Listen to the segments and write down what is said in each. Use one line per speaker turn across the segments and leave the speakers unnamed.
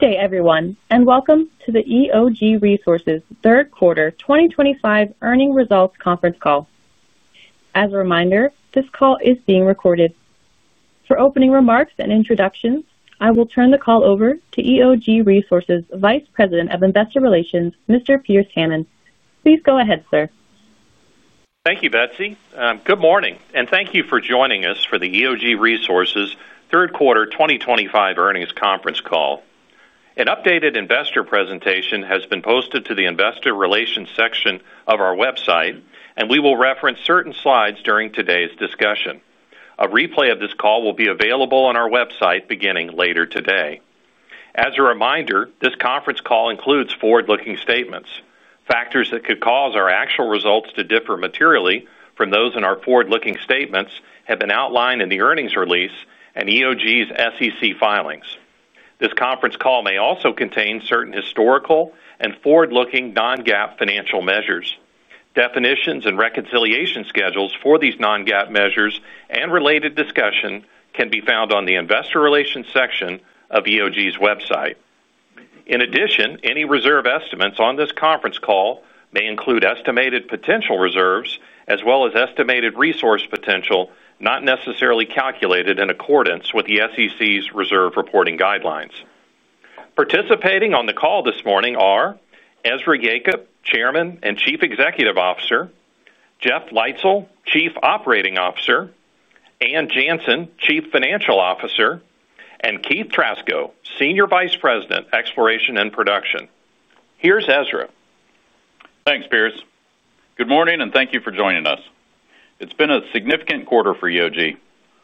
Good day everyone and welcome to the EOG Resources third quarter 2025 earning results conference call. As a reminder, this call is being recorded. For opening remarks and introductions, I will turn the call over to EOG Resources Vice President of Investor Relations, Mr. Pearce Hammond. Please go ahead, sir.
Thank you, Betsy. Good morning and thank you for joining us for the EOG Resources third quarter 2025 earnings conference call. An updated investor presentation has been posted to the Investor Relations section of our website and we will reference certain slides during today's discussion. A replay of this call will be available on our website beginning later today. As a reminder, this conference call includes forward looking statements. Factors that could cause our actual results to differ materially from those in our forward looking statements have been outlined in the earnings release and EOG's SEC filings. This conference call may also contain certain historical and forward looking non-GAAP financial measures. Definitions and reconciliation schedules for these non-GAAP measures and related discussion can be found on the Investor Relations section of EOG's website. In addition, any reserve estimates on this conference call may include estimated potential reserves as well as estimated resource potential not necessarily calculated in accordance with the SEC's reserve reporting guidelines. Participating on the call this morning are Ezra Yacob, Chairman and Chief Executive Officer, Jeff Leitzell, Chief Operating Officer, Ann Janssen, Chief Financial Officer, and Keith Trasko, Senior Vice President, Exploration and Production. Here's Ezra.
Thanks, Pearce. Good morning and thank you for joining us. It's been a significant quarter for EOG,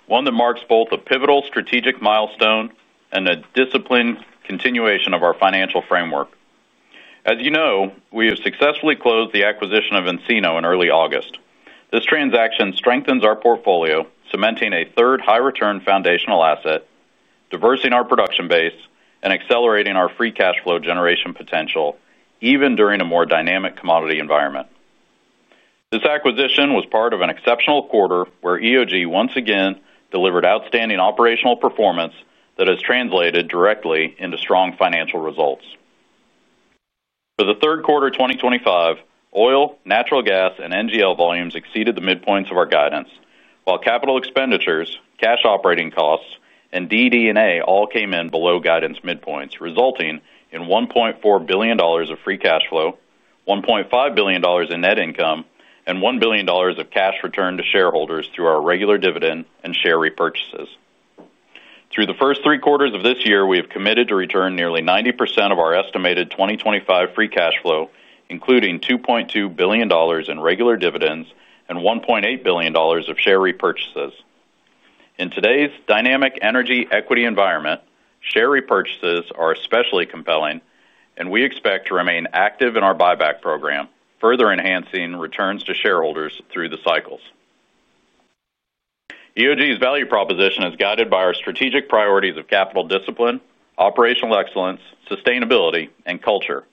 one that marks both a pivotal strategic milestone and a disciplined continuation of our financial framework. As you know, we have successfully closed the acquisition of Encino in early August. This transaction strengthens our portfolio, cementing a third high return foundational asset, diversifying our production base and accelerating our free cash flow generation potential even during a more dynamic commodity environment. This acquisition was part of an exceptional quarter where EOG once again delivered outstanding operational performance that has translated directly into strong financial results. For the third quarter 2025, oil, natural gas and NGL volumes exceeded the midpoints of our guidance, while capital expenditures, cash operating costs and DD&A all came in below guidance midpoints, resulting in $1.4 billion of free cash flow, $1.5 billion in net income and $1 billion of cash returned to shareholders through our regular dividend and share repurchases. Through the first three quarters of this year, we have committed to return nearly 90% of our estimated 2025 free cash flow, including $2.2 billion in regular dividends and $1.8 billion of share repurchases. In today's dynamic energy equity environment, share repurchases are especially compelling and we expect to remain active in our buyback program, further enhancing returns to shareholders through the cycles. EOG's value proposition is guided by our strategic priorities of capital discipline, operational excellence, sustainability and culture.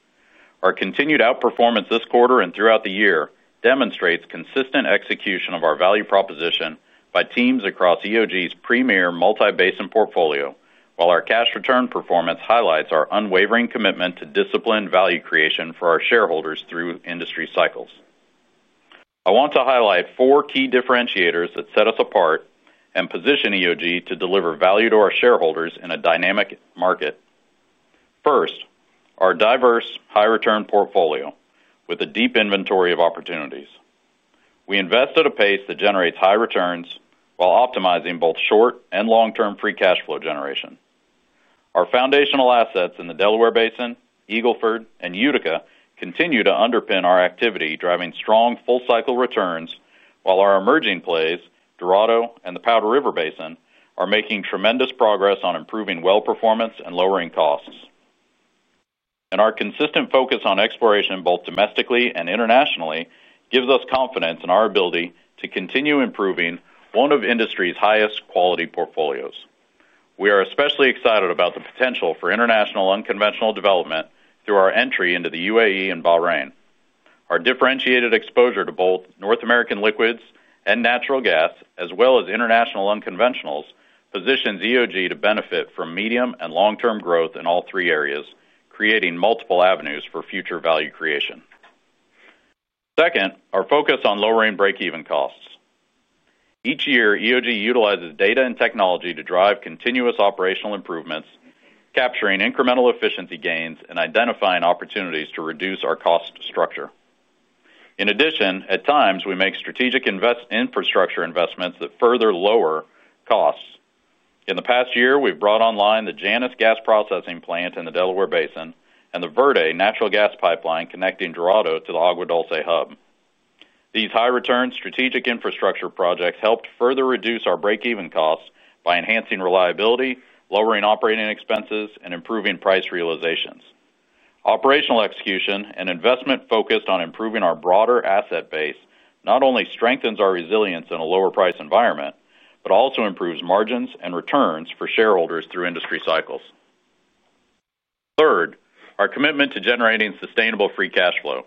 Our continued outperformance this quarter and throughout the year demonstrates consistent execution of our value proposition by teams across EOG's premier multi-basin portfolio. While our cash return performance highlights our unwavering commitment to disciplined value creation for our shareholders through industry cycles. I want to highlight four key differentiators that set us apart and position EOG to deliver value to our shareholders in a dynamic market. First, our diverse high-return portfolio with a deep inventory of opportunities, we invest at a pace that generates high returns while optimizing both short and long term free cash flow generation. Our foundational assets in the Delaware Basin, Eagle Ford and Utica continue to underpin our activity driving strong full cycle returns while our emerging plays Dorado and the Powder River Basin are making tremendous progress on improving well performance and lowering costs, and our consistent focus on exploration both domestically and internationally gives us confidence in our ability to continue improving one of industry's highest quality portfolios. We are especially excited about the potential for international unconventional development through our entry into the UAE and Bahrain. Our differentiated exposure to both North American liquids and natural gas as well as international unconventionals positions EOG to benefit from medium and long term growth in all three areas, creating multiple avenues for future value creation. Second, our focus on lowering breakeven costs. Each year, EOG utilizes data and technology to drive continuous operational improvements, capturing incremental efficiency gains and identifying opportunities to reduce our cost structure. In addition, at times we make strategic infrastructure investments that further lower costs. In the past year we've brought online the Janus gas processing plant in the Delaware Basin and the Verde natural gas pipeline connecting Dorado to the Agua Dulce hub. These high return strategic infrastructure projects helped further reduce our breakeven costs by enhancing reliability, lowering operating expenses, and improving price realizations. Operational execution and investment focused on improving our broader asset base not only strengthens our resilience in a lower price environment, but also improves margins and returns for shareholders through industry cycles. Third, our commitment to generating sustainable free cash flow.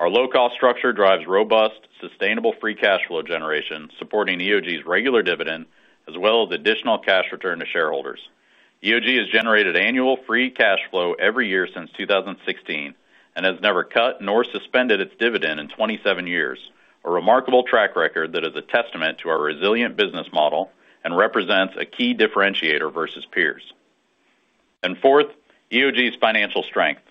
Our low cost structure drives robust sustainable free cash flow generation, supporting EOG's regular dividend as well as additional cash return to shareholders. EOG has generated annual free cash flow every year since 2016 and has never cut nor suspended its dividend in 27 years, a remarkable track record that is a testament to our resilient business model and represents a key differentiator versus peers. And fourth, EOG's financial strength.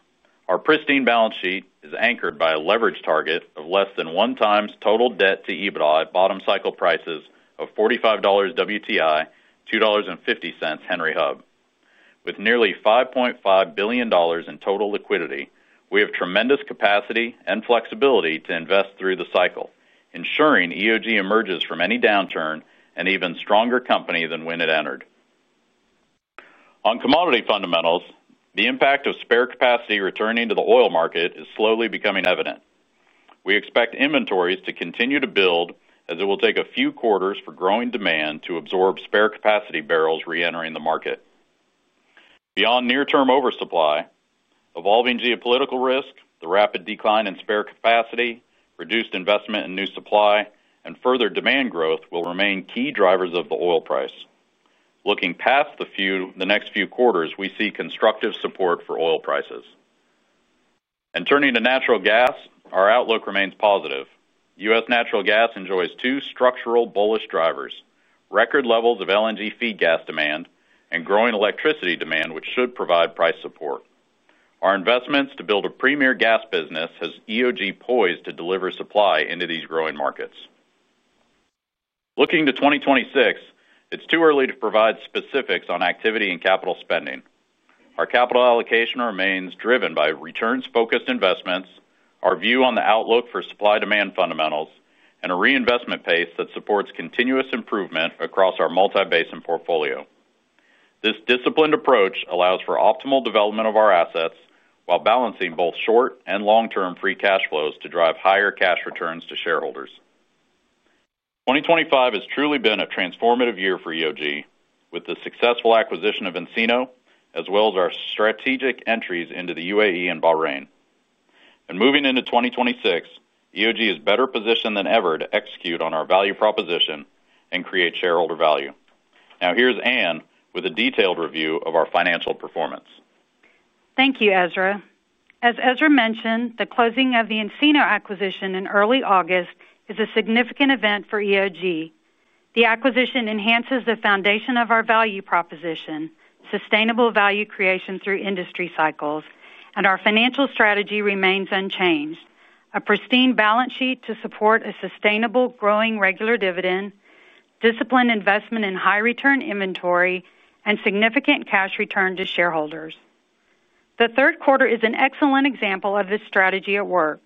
Our pristine balance sheet is anchored by a leverage target of less than 1 times total debt to EBITDA at bottom cycle prices of $45 WTI, $2.5 Henry Hub. With nearly $5.5 billion in total liquidity, we have tremendous capacity and flexibility to invest through the cycle, ensuring EOG emerges from any downturn an even stronger company than when it entered on commodity fundamentals. The impact of spare capacity returning to the oil market is slowly becoming evident. We expect inventories to continue to build as it will take a few quarters for growing demand to absorb spare capacity barrels reentering the market. Beyond near term oversupply, evolving geopolitical risk, the rapid decline in spare capacity, reduced investment in new supply, and further demand growth will remain key drivers of the oil price. Looking past the next few quarters, we see constructive support for oil prices. Turning to natural gas, our outlook remains positive. U.S. natural gas enjoys two structural bullish drivers, record levels of LNG feed gas demand and growing electricity demand, which should provide price support. Our investments to build a premier gas business have EOG poised to deliver supply into these growing markets. Looking to 2026, it's too early to provide specifics on activity and capital spending. Our capital allocation remains driven by returns focused investments, our view on the outlook for supply, demand fundamentals and a reinvestment pace that supports continuous improvement across our multi basin portfolio. This disciplined approach allows for optimal development of our assets while balancing both short and long term free cash flows to drive higher cash returns to shareholders. 2025 has truly been a transformative year for EOG. With the successful acquisition of Encino as well as our strategic entries into the UAE and Bahrain and moving into 2026, EOG is better positioned than ever to execute on our value proposition and create shareholder value. Now here's Ann with a detailed review of our financial performance.
Thank you, Ezra. As Ezra mentioned, the closing of the Encino acquisition in early August is a significant event for EOG. The acquisition enhances the foundation of our value proposition, sustainable value creation through industry cycles, and our financial strategy remains unchanged. A pristine balance sheet to support a sustainable, growing regular dividend, disciplined investment in high return inventory, and significant cash return to shareholders. The third quarter is an excellent example of this strategy at work.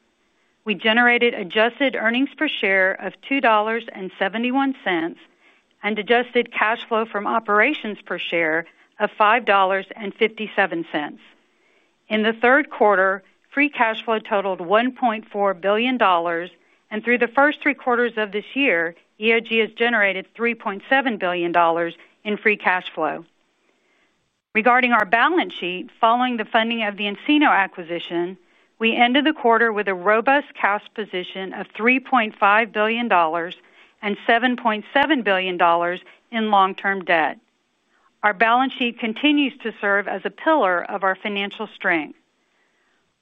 We generated adjusted earnings per share of $2.71 and adjusted cash flow from operations per share of $5.57 in the third quarter. Free cash flow totaled $1.4 billion, and through the first three quarters of this year, EOG has generated $3.7 billion in free cash flow. Regarding our balance sheet, following the funding of the Encino acquisition, we ended the quarter with a robust cash position of $3.5 billion and $7.7 billion in long term debt. Our balance sheet continues to serve as a pillar of our financial strength.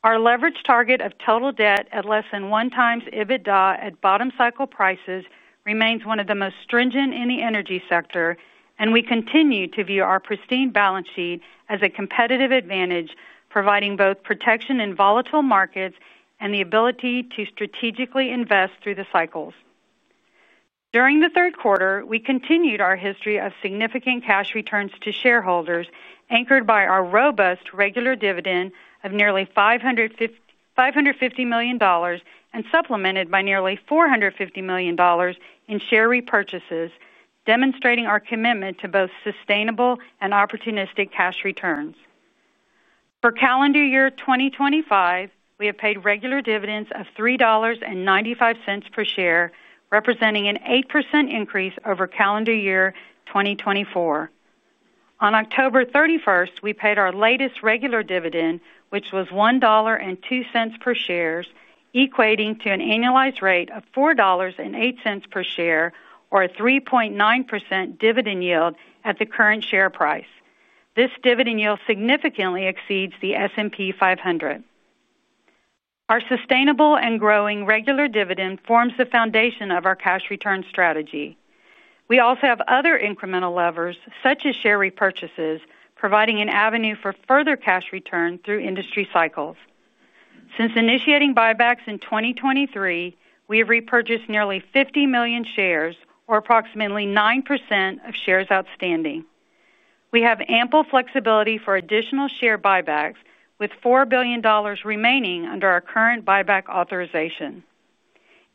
Our leverage target of total debt at less than 1 times EBITDA at bottom cycle prices remains one of the most stringent in the energy sector and we continue to view our pristine balance sheet as a competitive advantage, providing both protection in volatile markets and the ability to strategically invest through the cycles. During the third quarter we continued our history of significant cash returns to shareholders, anchored by our robust regular dividend of nearly $550 million and supplemented by nearly $450 million in share repurchases, demonstrating our commitment to both sustainable and opportunistic cash returns. For calendar year 2025, we have paid regular dividends of $3.95 per share, representing an 8% increase over calendar year 2024. On October 31, we paid our latest regular dividend, which was $1.02 per share, equating to an annualized rate of $4.08 per share or a 3.9% dividend yield. At the current share price, this dividend yield significantly exceeds the S&P 500. Our sustainable and growing regular dividend forms the foundation of our cash return strategy. We also have other incremental levers such as share repurchases, providing an avenue for further cash return through industry cycles. Since initiating buybacks in 2023, we have repurchased nearly 50 million shares, or approximately 9% of shares outstanding. W bbnm ehave ample flexibility for additional share buybacks with $4 billion remaining under our current buyback authorization.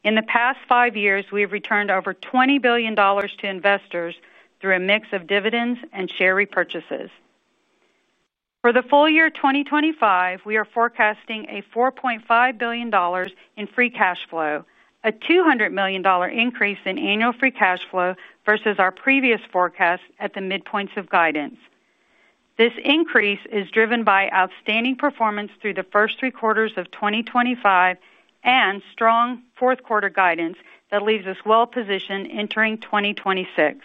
In the past five years, we have returned over $20 billion to investors through a mix of dividends and share repurchases. For the full year 2025, we are forecasting $4.5 billion in free cash flow, a $200 million increase in annual free cash flow versus our previous forecast at the midpoints of guidance. This increase is driven by outstanding performance through the first three quarters of 2025 and strong fourth quarter guidance that leaves us well positioned entering 2026.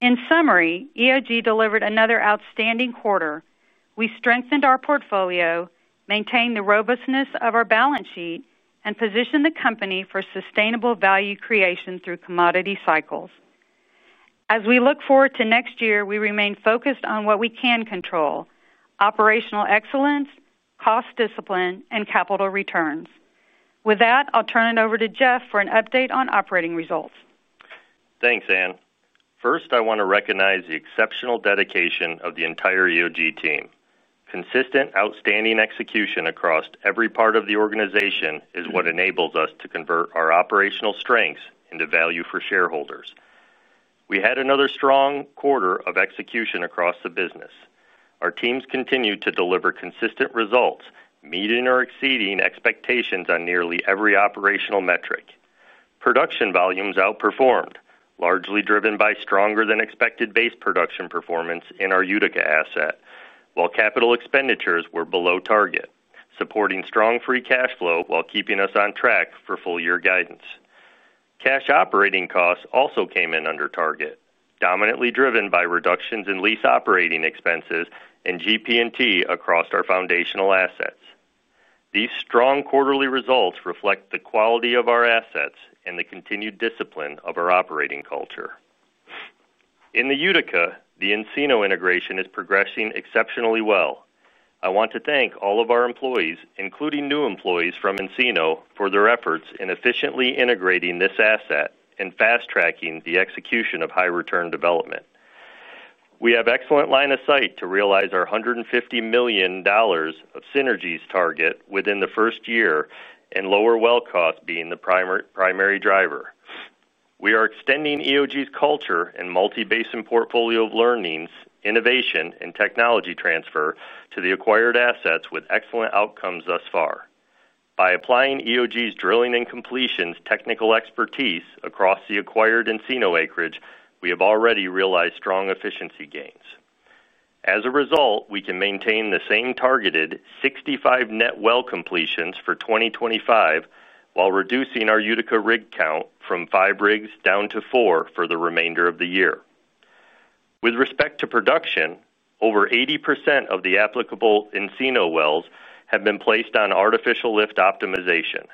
In summary, EOG delivered another outstanding quarter. We strengthened our portfolio and maintain the robustness of our balance sheet and position the company for sustainable value creation through commodity cycles. As we look forward to next year we remain focused on what we can control, operational excellence, cost discipline and capital returns. With that, I'll turn it over to Jeff for an update on operating results.
Thanks, Ann. First, I want to recognize the exceptional dedication of the entire EOG team. Consistent, outstanding execution across every part of the organization is what enables us to convert our operational strengths into value for shareholders. We had another strong quarter of execution across the business. Our teams continued to deliver consistent results, meeting or exceeding expectations on nearly every operational metric. Production volumes outperformed, largely driven by stronger than expected base production performance in our Utica asset while capital expenditures were below target, supporting strong free cash flow while keeping us on track for full year guidance. Cash operating costs also came in under target, dominantly driven by reductions in lease operating expenses and GPT across our foundational assets. These strong quarterly results reflect the quality of our assets and the continued discipline of our operating culture in the Utica. The Encino integration is progressing exceptionally well. I want to thank all of our employees, including new employees from Encino, for their efforts in efficiently integrating this asset and fast tracking the execution of high return development. We have excellent line of sight to realize our $150 million of synergies target within the first year, and lower well cost being the primary driver. We are extending EOG's culture and multi basin portfolio of learnings, innovation, and technology transfer to the acquired assets with excellent outcomes thus far. By applying EOG's drilling and completions technical expertise across the acquired Encino acreage, we have already realized strong efficiency gains. As a result, we can maintain the same targeted 65 net well completions for 2025 while reducing our Utica rig count from 5 rigs down to 4 for the remainder of the year. With respect to production, over 80% of the applicable Encino wells have been placed on artificial lift optimization.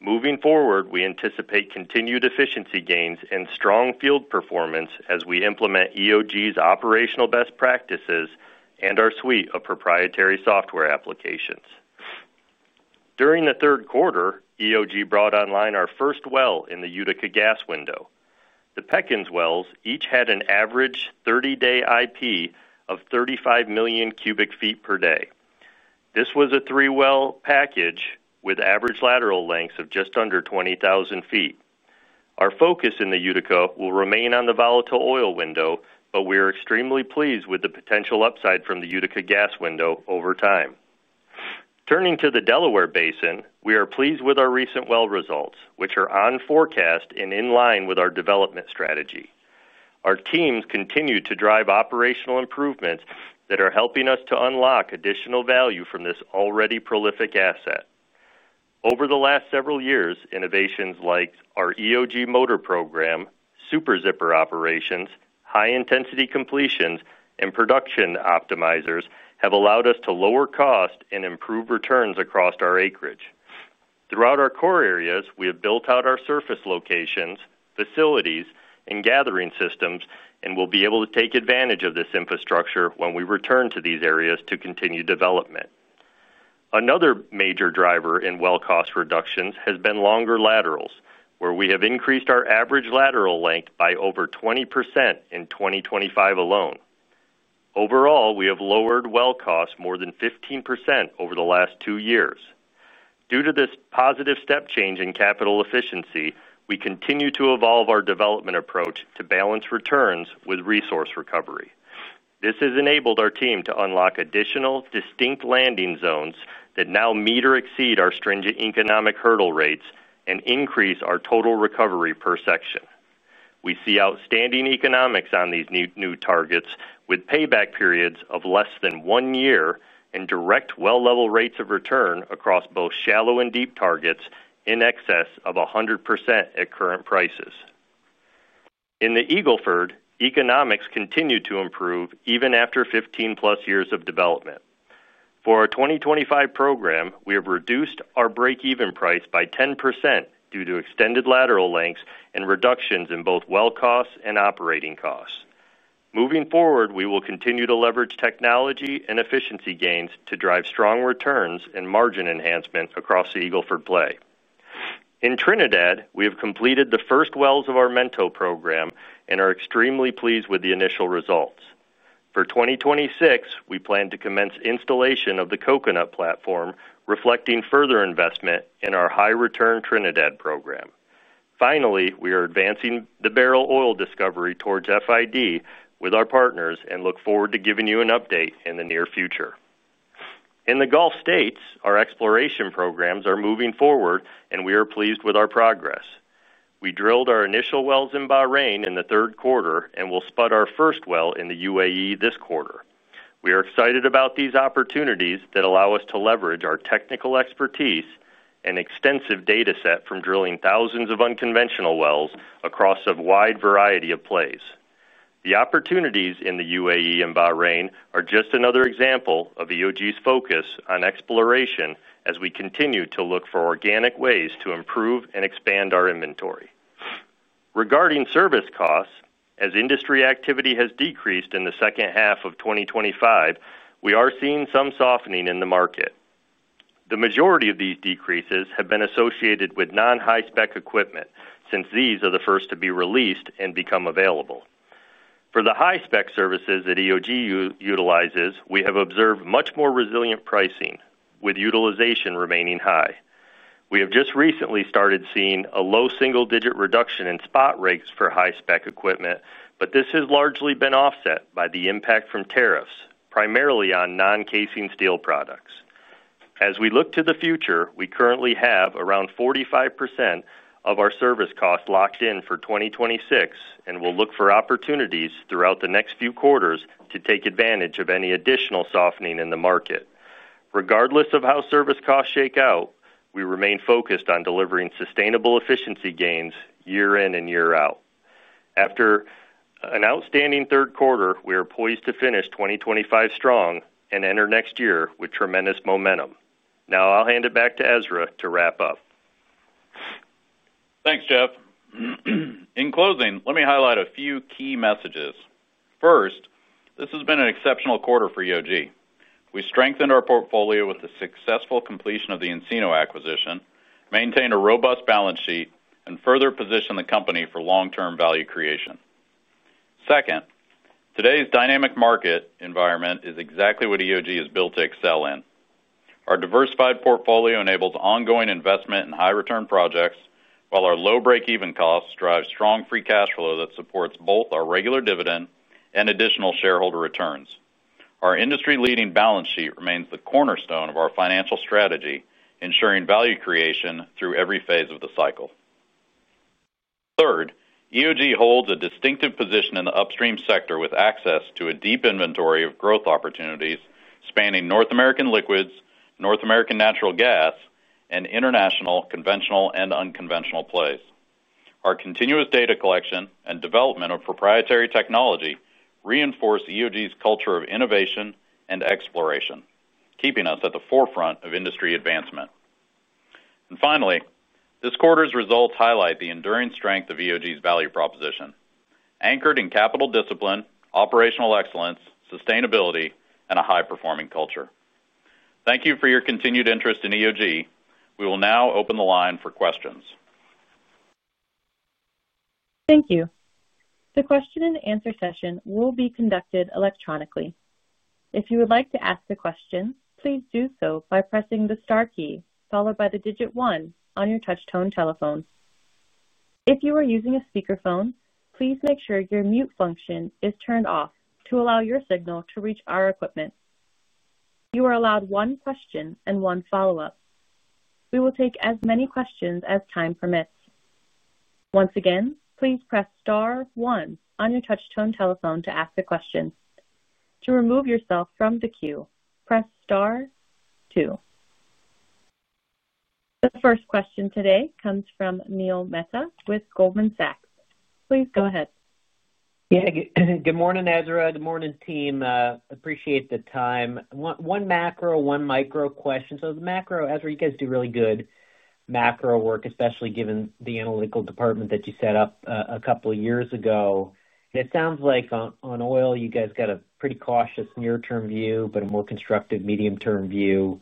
Moving forward, we anticipate continued efficiency gains and strong field performance as we implement EOG's operational best practices and our suite of proprietary software applications. During the third quarter EOG brought online our first well in the Utica gas window. The Peckins wells each had an average 30 day IP of 35 million cubic feet per day. This was a three well package with average lateral lengths of just under 20,000 ft. Our focus in the Utica will remain on the volatile oil window, but we are extremely pleased with the potential upside from the Utica gas window over time. Turning to the Delaware Basin, we are pleased with our recent well results which are on forecast and in line with our development strategy. Our teams continue to drive operational improvements that are helping us to unlock additional value from this already prolific asset. Over the last several years, innovations like our EOG motor program, Super Zipper Operations, high intensity completions, and production optimizers have allowed us to lower cost and improve returns across our acreage throughout our core areas. We have built out our surface locations, facilities, and gathering systems, and we'll be able to take advantage of this infrastructure when we return to these areas to continue development. Another major driver in well cost reductions has been longer laterals, where we have increased our average lateral length by over 20% in 2025 alone. Overall, we have lowered well costs more than 15% over the last two years. Due to this positive step change in capital efficiency, we continue to evolve our development approach to balance returns with resource recovery. This has enabled our team to unlock additional distinct landing zones that now meet or exceed our stringent economic hurdle rates and increase our total recovery per section. We see outstanding economics on these new targets with payback periods of less than one year and direct well level rates of return across both shallow and deep targets in excess of 100% at current prices. In the Eagle Ford, economics continue to improve even after 15+ years of development. For our 2025 program we have reduced our breakeven price by 10% due to extended lateral lengths and reductions in both well costs and operating costs. Moving forward, we will continue to leverage technology and efficiency gains to drive strong returns and margin enhancement across the Eagle Ford play. In Trinidad, we have completed the first wells of our Mento program and are extremely pleased with the initial results for 2026. We plan to commence installation of the Coconut platform, reflecting further investment in our high-return Trinidad program. Finally, we are advancing the Barrel Oil discovery towards FID with our partners and look forward to giving you an update in the near future. In the Gulf States, our exploration programs are moving forward, and we are pleased with our progress. We drilled our initial wells in Bahrain in the third quarter and will spud our first well in the UAE this quarter. We are excited about these opportunities that allow us to leverage our technical expertise and extensive data set from drilling thousands of unconventional wells across a wide variety of plays. The opportunities in the UAE and Bahrain are just another example of EOG's focus on exploration as we continue to look for organic ways to improve and expand our inventory regarding service costs. As industry activity has decreased in the second half of 2025, we are seeing some softening in the market. The majority of these decreases have been associated with non high spec equipment since these are the first to be released and become available for the high spec services that EOG utilizes, we have observed much more resilient pricing with utilization remaining high. We have just recently started seeing a low single digit reduction in spot rates for high spec equipment, but this has largely been offset by the impact from tariffs primarily on non casing steel products. As we look to the future, we currently have around 45% of our service cost locked in for 2026 and we'll look for opportunities throughout the next few quarters to take advantage of any additional softening in the market. Regardless of how service costs shake out, we remain focused on delivering sustainable efficiency gains year in and year out. After an outstanding third quarter, we are poised to finish 2025 strong and enter next year with tremendous momentum. Now I'll hand it back to Ezra to wrap up.
Thanks, Jeff. In closing, let me highlight a few key messages. First, this has been an exceptional quarter for EOG. We strengthened our portfolio with the successful completion of the Encino acquisition, maintain a robust balance sheet, and further position the company for long-term value creation. Second, today's dynamic market environment is exactly what EOG is built to excel in. Our diversified portfolio enables ongoing investment in high-return projects, while our low breakeven costs drive strong free cash flow that supports both our regular dividend and additional shareholder returns. Our industry-leading balance sheet remains the cornerstone of our financial strategy, ensuring value creation through every phase of the cycle. Third, EOG holds a distinctive position in the upstream sector with access to a deep inventory of growth opportunities spanning North American liquids, North American natural gas, and international conventional and unconventional plays. Our continuous data collection and development of proprietary technology reinforce EOG's culture of innovation and exploration, keeping us at the forefront of industry advancement. This quarter's results highlight the enduring strength of EOG's value proposition anchored in capital discipline, operational excellence, sustainability, and a high performing culture. Thank you for your continued interest in EOG. We will now open the line for questions.
Thank you. The question and answer session will be conducted electronically. If you would like to ask a question, please do so by pressing the star key followed by the digit one on your touchtone telephone. If you are using a speakerphone, please make sure your mute function is turned off to allow your signal to reach our equipment. You are allowed one question and one follow up. We will take as many questions as time permits. Once again, please press star one on your touchtone telephone to ask a question. To remove yourself from the queue, press star two. The first question today comes from Neil Mehta with Goldman Sachs. Please go ahead.
Yeah, good morning Ezra. Good morning team. Appreciate the time. One macro, one micro question. The macro, Ezra, you guys do really good macro work, especially given the analytical department that you set up a couple of years ago. It sounds like on oil you guys got a pretty cautious near term view, but a more constructive medium term view.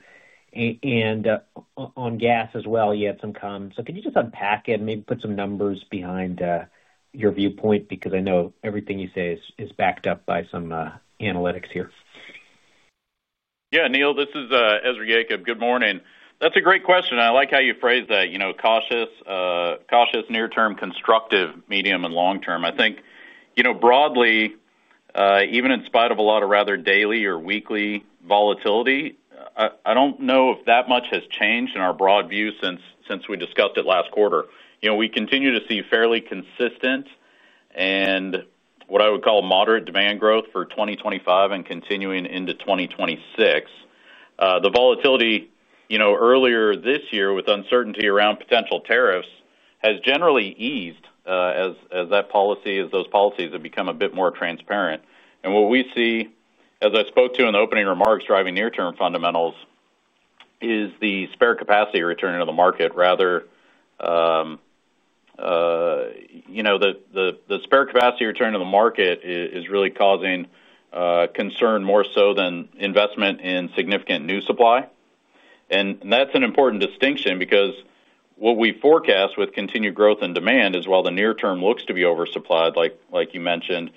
On gas as well, you had some comment. Could you just unpack it, maybe put some numbers behind your viewpoint? Because I know everything you say is backed up by some analytics here.
Yeah. Neil, this is Ezra Yacob. Good morning. That's a great question. I like how you phrase that. Cautious near term, constructive medium and long term. I think broadly, even in spite of a lot of rather daily or weekly volatility, I don't know if that much has changed in our broad view since we discussed it last quarter. We continue to see fairly consistent and what I would call moderate demand growth for 2025 and continuing into 2026. The volatility, you know, earlier this year with uncertainty around potential tariffs has generally eased as that policy, as those policies have become a bit more transparent. What we see, as I spoke to in the opening remarks, driving near term fundamentals is the spare capacity returning to the market. Rather, you know, the spare capacity return to the market is really causing concern more so than investment in significant new supply. That is an important distinction because what we forecast with continued growth in demand is while the near term looks to be oversupplied, like you mentioned,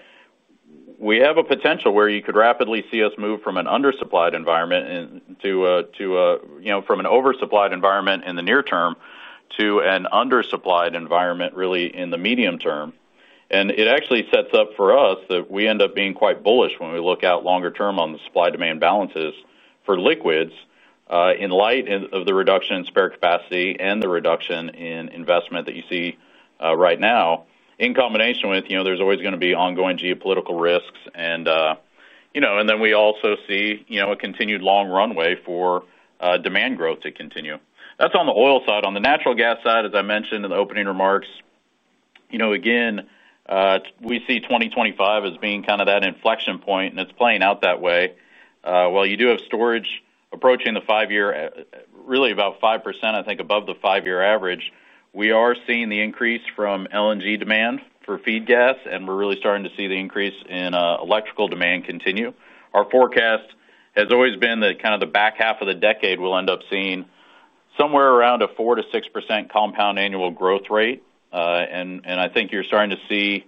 we have a potential where you could rapidly see us move from an oversupplied environment in the near term to an undersupplied environment really in the medium term. It actually sets up for us that we end up being quite bullish when we look out longer term on the supply demand balances for liquids in light of the reduction in spare capacity and the reduction in investment that you see right now in combination with, you know, there's always going to be ongoing geopolitical risks and then we also see a continued long runway for demand growth to continue. That's on the oil side. On the natural gas side, as I mentioned in the opening remarks, again, we see 2025 as being kind of that inflection point and it's playing out that way. While you do have storage approaching the five year, really about 5% above the five year average, we are seeing the increase from LNG demand for feed gas and we're really starting to see the increase in electrical demand continue. Our forecast has always been that kind of the back half of the decade, we'll end up seeing somewhere around a 4-6% compound annual growth rate. I think you're starting to see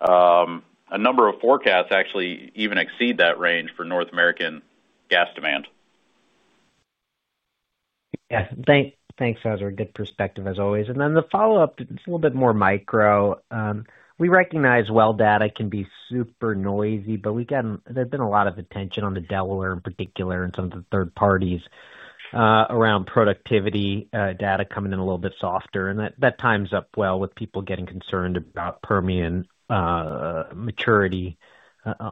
a number of forecasts actually even exceed that range for North American gas demand.
Thanks, Ezra. Good perspective as always. The follow up, it's a little bit more micro. We recognize well data can be super noisy, but there's been a lot of attention on the Delaware in particular and some of the third parties around productivity data coming in a little bit softer and that times up well with people getting concerned about Permian maturity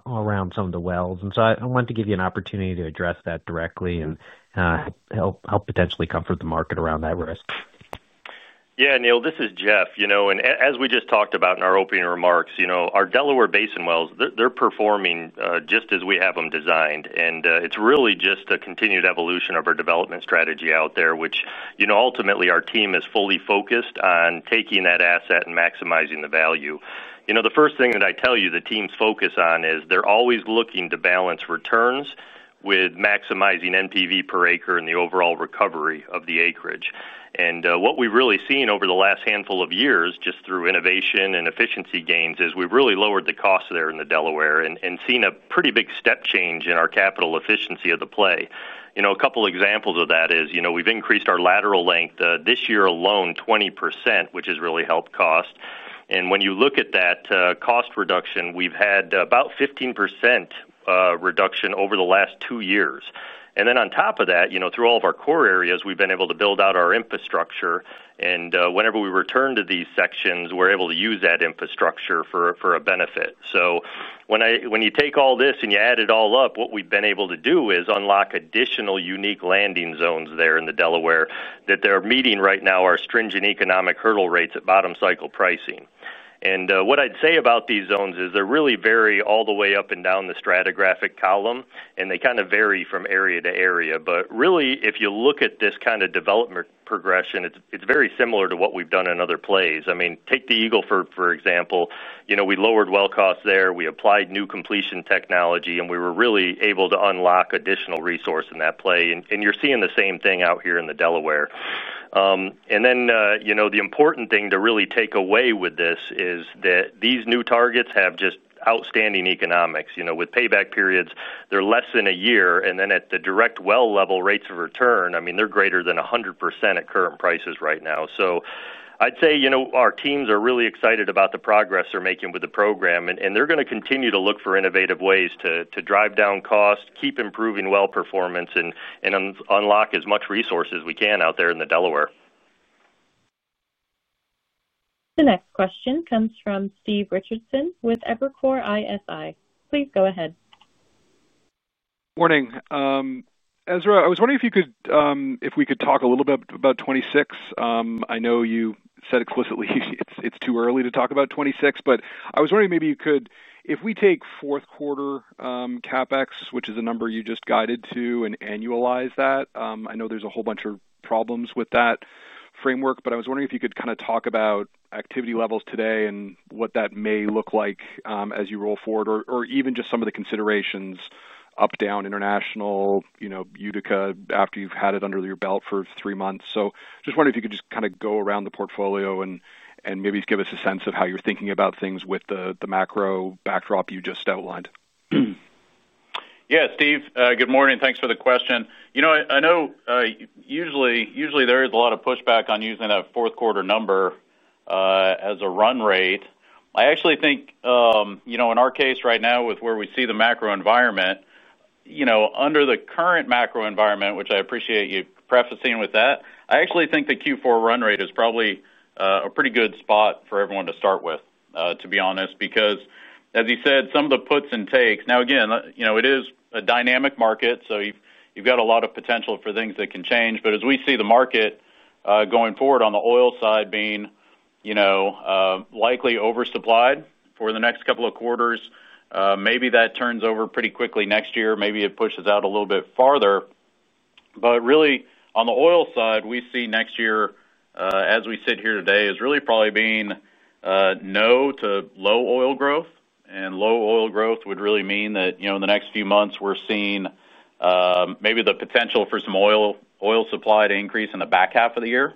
around some of the wells. I wanted to give you an opportunity to address that directly and help potentially comfort the market around that risk.
Yeah, Neil, this is Jeff. You know, as we just talked about in our opening remarks, you know, our Delaware Basin wells, they're performing just as we have them designed. It is really just a continued evolution of our development strategy out there, which, you know, ultimately our team is fully focused on taking that asset and maximizing the value. You know, the first thing that I tell you the team's focus on is they're always looking to balance returns with maximizing NPV per acre and the overall recovery of the acreage. What we've really seen over the last handful of years, just through innovation and efficiency gains, is we've really lowered the cost there in the Delaware and seen a pretty big step change in our capital efficiency of the play. You know, a couple examples of that is, you know, we've increased our lateral length this year alone 20%, which has really helped cost. When you look at that cost reduction, we've had about 15% reduction over the last two years. On top of that, through all of our core areas, we've been able to build out our infrastructure. Whenever we return to these sections, we're able to use that infrastructure for a benefit. When you take all this and you add it all up, what we've been able to do is unlock additional unique landing zones there in the Delaware that are meeting right now our stringent economic hurdle rates at bottom cycle pricing. What I'd say about these zones is they really vary all the way up and down the stratigraphic column and they kind of vary from area to area. Really, if you look at this kind of development progression, it's very similar to what we've done in other plays. I mean, take the Eagle Ford for example. You know, we lowered well costs there, we applied new completion technology, and we were really able to unlock additional resource in that play. You're seeing the same thing out here in the Delaware. You know, the important thing to really take away with this is that these new targets have just outstanding economics. You know, with payback periods that are less than a year and then at the direct well level rates of return, I mean they're greater than 100% at current prices right now. I'd say, you know, our teams are really excited about the progress they're making with the program and they're going to continue to look for innovative ways to drive down cost, keep improving well performance and unlock as much resources as we can out there in the Delaware.
The next question comes from Steve Richardson with Evercore ISI, please go ahead.
Morning, Ezra. I was wondering if you could, if we could talk a little bit about 2026. I know you said explicitly it's too early to talk about 2026, but I was wondering maybe you could if we take fourth quarter CapEx, which is a number you just guided to and annualize that. I know there's a whole bunch of problems with that framework, but I was wondering if you could kind of talk about activity levels today and what that may look like as you roll forward or even just some of the considerations up, down, international, you know, Utica, after you've had it under your belt for three months. So just wondering if you could just kind of go around the portfolio and maybe give us a sense of how you're thinking about things with the macro backdrop you just outlined.
Yeah, Steve, good morning. Thanks for the question. You know, I know usually there is a lot of pushback on using that fourth quarter number as a run rate. I actually think, you know, in our case right now with where we see the macro environment, you know, under the current macro environment, which I appreciate you prefacing with that, I actually think the Q4 run rate is probably a pretty good spot for everyone to start with, to be honest, because as you said, some of the puts and takes now again, you know, it is a dynamic market so you've got a lot of potential for things that can change. As we see the market going forward on the oil side being, you know, likely oversupplied for the next couple of quarters, maybe that turns over pretty quickly next year, maybe it pushes out a little bit farther. Really on the oil side, we see next year as we sit here today as really probably being no to low oil growth. Low oil growth would really mean that in the next few months we're seeing maybe the potential for some oil supply to increase in the back half of the year.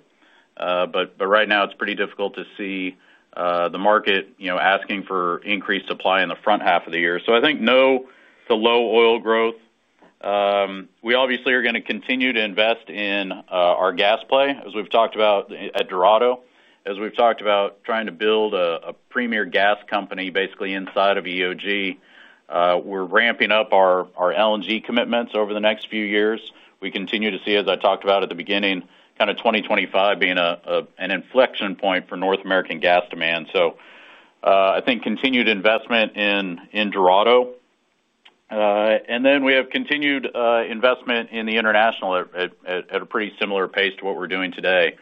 Right now it's pretty difficult to see the market asking for increased supply in the front half of the year. I think no to low oil growth. We obviously are going to continue to invest in our gas play. As we've talked about at Dorado, as we've talked about trying to build a premier gas company basically inside of EOG, we're ramping up our LNG commitments over the next few years. We continue to see, as I talked about at the beginning, kind of 2025 being an inflection point for North American gas demand. I think continued investment in Dorado and then we have continued investment in the international at a pretty similar pace to what we're doing today.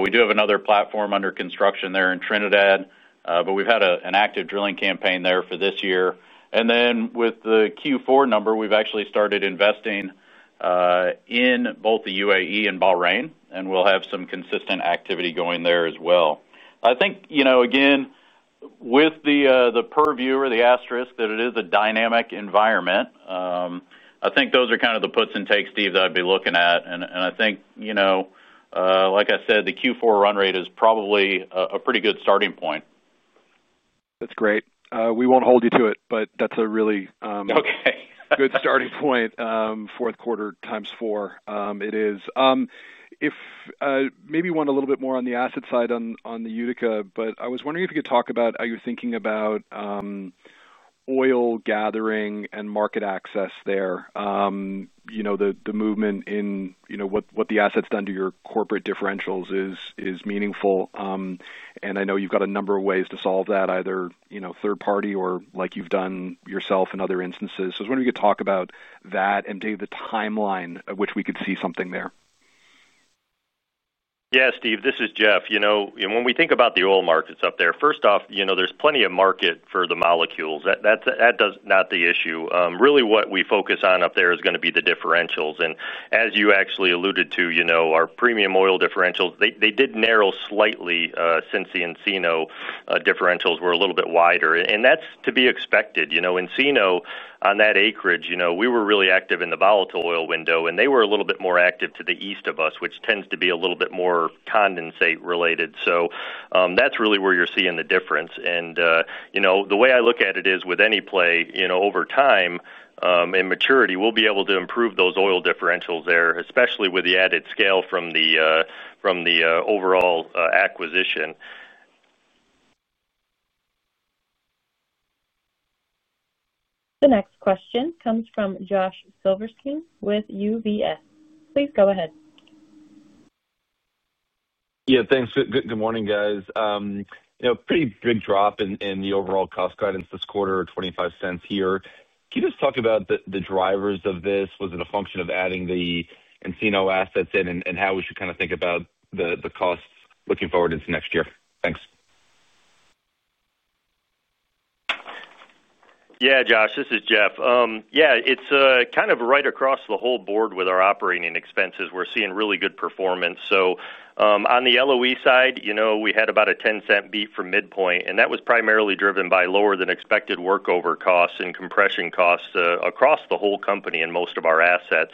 We do have another platform under construction there in Trinidad, but we've had an active drilling campaign there for this year. With the Q4 number, we've actually started investing in both the UAE and Bahrain and we'll have some consistent activity going there as well. I think, you know, again with the purview or the asterisk that it is a dynamic environment. I think those are kind of the puts and takes, Steve, that I'd be looking at. I think, you know, like I said, the Q4 run rate is probably a pretty good starting point.
That's great. We won't hold you to it, but that's a really good starting point. Fourth quarter times four, it is maybe one a little bit more on the asset side on the Utica, but I was wondering if you could talk about how you're thinking about oil gathering and market access there. The movement in what the asset's done to your corporate differentials is meaningful. I know you've got a number of ways to solve that, either third party or like you've done yourself in other instances. I was wondering if you could talk about that. And give the timeline at which we could see something there.
Yeah, Steve, this is Jeff. You know, when we think about the oil markets up there, first off, there's plenty of market for the molecules. That's not the issue really. What we focus on up there is going to be the differentials. As you actually alluded to our premium oil differentials, they did narrow slightly since the Encino differentials were a little bit wider. That's to be expected. Encino, on that acreage, we were really active in the volatile oil window and they were a little bit more active to the east of us, which tends to be a little bit more condensate related. That's really where you're seeing the difference. You know, the way I look at it is with any play, over time in maturity, we'll be able to improve those oil differentials there, especially with the added scale from the overall acquisition.
The next question comes from Josh Silverstein with UBS. Please go ahead.
Yeah, thanks. Good morning, guys. Pretty big drop in the overall cost guidance this quarter. $0.25 here. Can you just talk about the drivers of this? Was it a function of adding the Encino assets in and how we should kind of think about the costs looking forward into next year? Thanks.
Yeah, Josh, this is Jeff. Yeah, it's kind of right across the whole board with our operating expenses, we're seeing really good performance. On the LOE side, you know, we had about a $0.10 beat from midpoint, and that was primarily driven by lower than expected workover costs and compression costs across the whole company and most of our assets.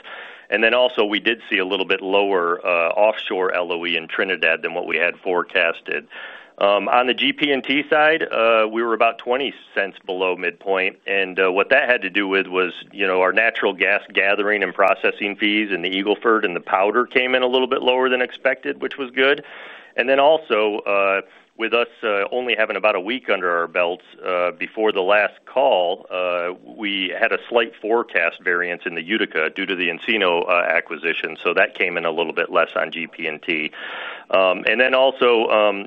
Also, we did see a little bit lower offshore LOE in Trinidad than what we had forecasted. On the GP side, we were about $0.20 below midpoint. What that had to do with was, you know, our natural gas gathering and processing fees in the Eagle Ford and the Powder came in a little bit lower than expected, which was good. With us only having about a week under our belts before the last call, we had a slight forecast variance in the Utica due to the Encino acquisition. That came in a little bit less on GP.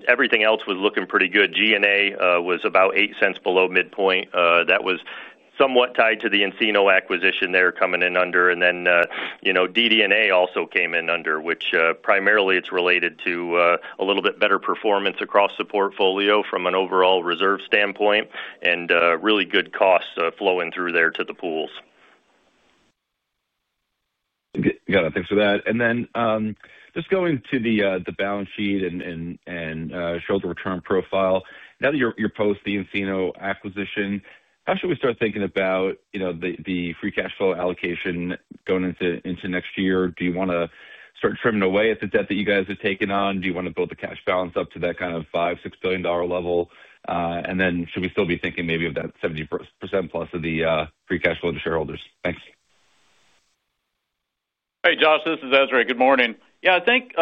Everything else was looking pretty good. G&A was about $0.08 below midpoint. That was somewhat tied to the Encino acquisition there coming in under. DD&A also came in under, which primarily is related to a little bit better performance across the portfolio from an overall reserve standpoint and really good costs flowing through there to the pools.
Got it. Thanks for that. Just going to the balance sheet and shoulder return profile. Now that you're post the Encino acquisition, how should we start thinking about the free cash flow allocation going into next year? Do you want to start trimming away at the debt that you guys have taken on? Do you want to build the cash balance up to that kind of $5 billion-$6 billion level? And then should we still be thinking maybe of that 70%+ of the free cash flow to shareholders? Thanks.
Hey, Josh, this is Ezra. Good morning. Yeah, I think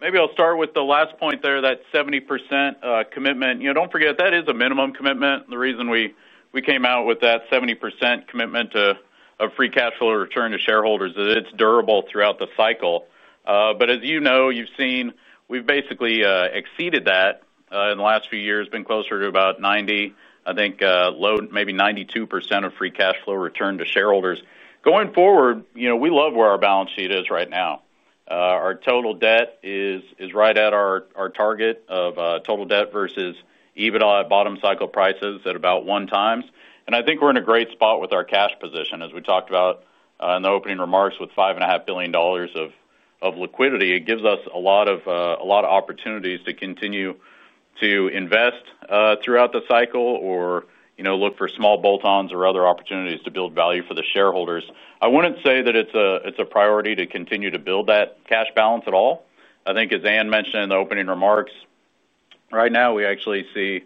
maybe I'll start with the last point there. That 70% commitment, you know, don't forget that is a minimum commitment. The reason we came out with that 70% commitment of free cash flow return to shareholders is, it's durable throughout the cycle. You know, you've seen, we've basically exceeded that in the last few years. Been closer to about 90%, I think maybe 92% of free cash flow returned to shareholders going forward. You know, we love where our balance sheet is right now. Our total debt is right at our target of total debt versus EBITDA at bottom cycle prices at about 1 times. I think we're in a great spot with our cash position. As we talked about in the opening remarks, with $5.5 billion of liquidity, it gives us a lot of opportunities to continue to invest throughout the cycle or look for small bolt-ons or other opportunities to build value for the shareholders. I would not say that it is a priority to continue to build that cash balance at all. I think as Ann Janssen mentioned in the opening remarks, right now we actually see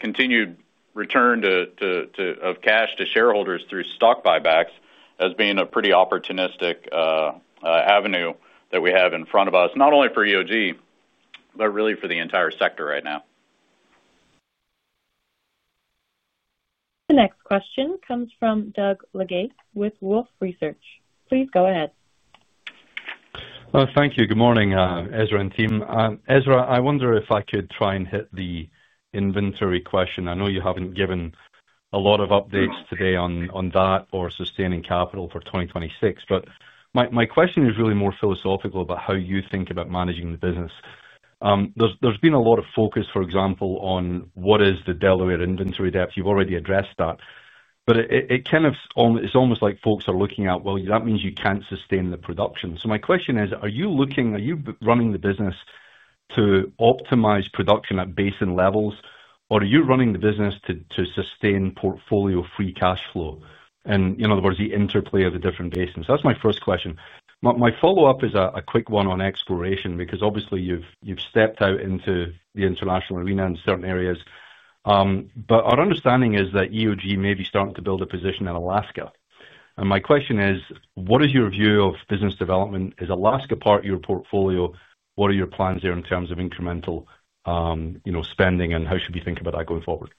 continued return of cash to shareholders through stock buybacks as being a pretty opportunistic avenue that we have in front of us, not only for EOG, but really for the entire sector right now.
The next question comes from Doug Leggate with Wolfe Research. Please go ahead.
Thank you. Good morning, Ezra and Team Ezra. I wonder if I could try and hit the inventory question. I know you have not given a lot of updates today on that or sustaining capital for 2026, but my question is really more philosophical about how you think about managing the business. There has been a lot of focus, for example, on what is the Delaware inventory depth. You have already addressed that, but it kind of, it is almost like folks are looking at, well, that means you cannot sustain the production. My question is, are you looking, are you running the business to optimize production at basin levels or are you running the business to sustain portfolio free cash flow and in other words, the interplay of the different basins. That is my first question. My follow up is a quick one on exploration because obviously you've stepped out into the international arena in certain areas. Our understanding is that EOG may be starting to build a position in Alaska. My question is, what is your view of business development? Is Alaska part of your portfolio? What are your plans here in terms of incremental spending and how should we think about that going forward.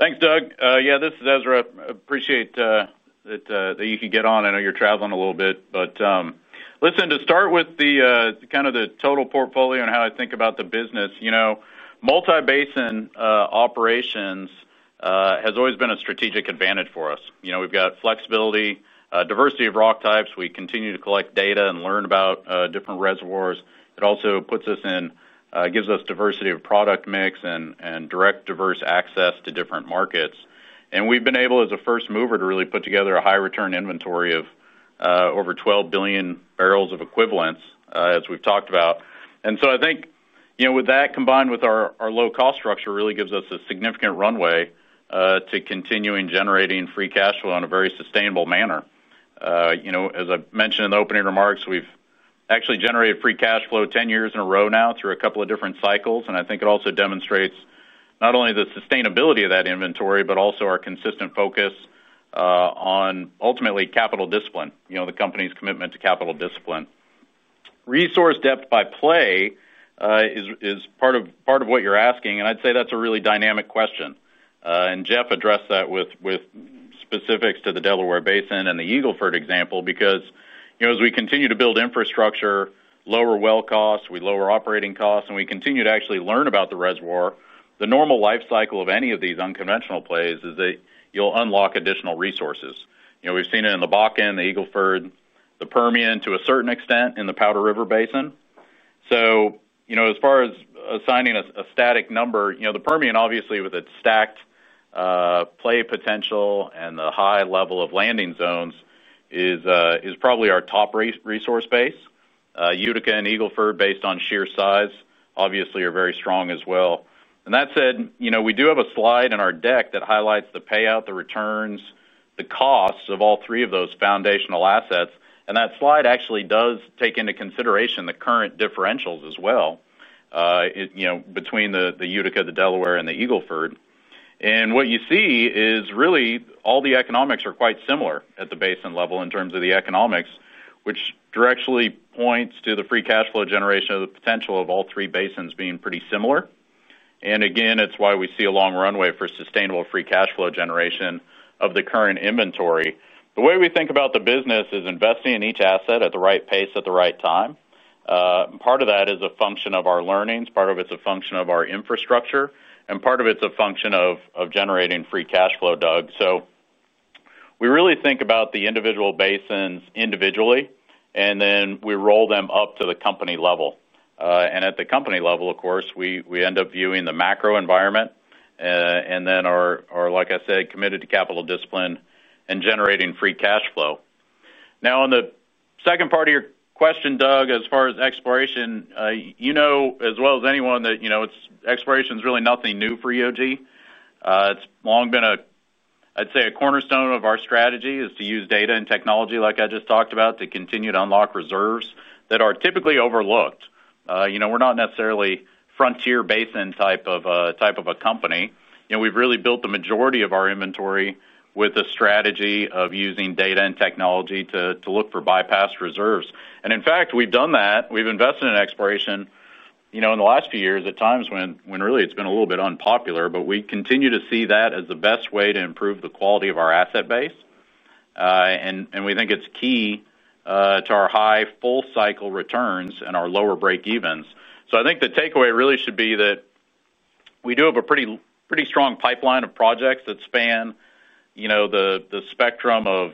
Thanks, Doug. Yeah, this is Ezra. Appreciate that you can get on. I know you're traveling a little bit, but listen, to start with the kind of the total portfolio and how I think about the business, you know, multi basin operations has always been a strategic advantage for us. You know, we've got flexibility, diversity of rock types, we continue to collect data and learn about different reservoirs. It also puts us in, gives us diversity of product mix and direct, diverse access to different markets. We've been able as a first mover to really put together a high return inventory of over 12 billion barrels of equivalents, as we've talked about. I think, you know, with that combined with our low cost structure, really gives us a significant runway to continuing generating free cash flow in a very sustainable manner. You know, as I mentioned in the opening remarks, we've actually generated free cash flow 10 years in a row now through a couple of different cycles. I think it also demonstrates not only the sustainability of that inventory, but also our consistent focus on ultimately capital discipline. You know, the company's commitment to capital discipline, resource depth by play is part of, of what you're asking. I'd say that's a really dynamic question. Jeff addressed that with specifics to the Delaware Basin and the Eagle Ford example, because as we continue to build infrastructure, lower well costs, we lower operating costs, and we continue to actually learn about the reservoir. The normal life cycle of any of these unconventional plays is that you'll unlock additional resources. We've seen it in the Bakken, the Eagle Ford, the Permian, to a certain extent in the Powder River Basin. You know, as far as assigning a static number, the Permian obviously, with its stacked play potential and the high level of landing zones, is probably our top resource base. Utica and Eagle Ford, based on sheer size, obviously are very strong as well. That said, we do have a slide in our deck that highlights the payout, the returns, the cost of all three of those foundational assets. That slide actually does take into consideration the current differentials as well between the Utica, the Delaware, and the Eagle Ford. What you see is really all the economics are quite similar at the basin level in terms of the economics, which directly points to the free cash flow generation of the potential of all three basins being pretty similar. It is why we see a long runway for sustainable free cash flow generation of the current inventory. The way we think about the business is investing in each asset at the right pace, at the right time. Part of that is a function of our learnings, part of it is a function of our infrastructure, and part of it is a function of generating free cash flow. Doug, we really think about the individual basins individually and then we roll them up to the company level. At the company level, of course, we end up viewing the macro environment and then are, like I said, committed to capital discipline and generating free cash flow. Now, on the second part of your question, Doug, as far as exploration, you know as well as anyone that, you know, exploration is really nothing new for EOG. It's long been a, I'd say a cornerstone of our strategy is to use data and technology like I just talked about to continue to unlock reserves that are typically overlooked. You know, we're not necessarily frontier basin type of, type of a company. You know, we've really built the majority of our inventory with a strategy of using data and technology to look for bypass reserves. In fact we've done that, we've invested in exploration, you know, in the last few years at times when really it's been a little bit unpopular. We continue to see that as the best way to improve the quality of our asset base. We think it's key to our high full cycle returns and our lower breakevens. I think the takeaway really should be that we do have a pretty, pretty strong pipeline of projects that span, you know, the spectrum of